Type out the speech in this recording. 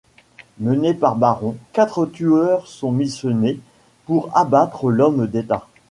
Menés par Baron, quatre tueurs sont missionnés pour abattre l'homme d'État.